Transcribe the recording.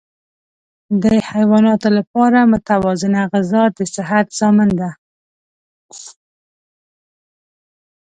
د حیواناتو لپاره متوازنه غذا د صحت ضامن ده.